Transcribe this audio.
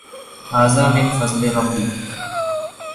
ھذا من فضْل ربی۔